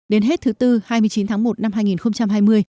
đến hết thứ bốn hai mươi chín tháng một năm hai nghìn hai mươi